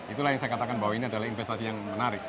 itulah yang saya katakan bahwa ini adalah investasi yang menarik